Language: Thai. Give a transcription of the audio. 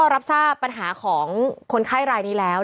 รับทราบปัญหาของคนไข้รายนี้แล้ว